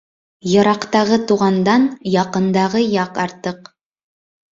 Йыраҡтағы туғандан яҡындағы яг артыҡ.